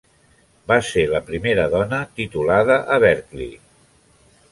Va ser la primera dona titulada a Berkeley.